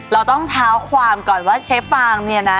เราต้องเท้าความก่อนว่าเชฟฟางเนี่ยนะ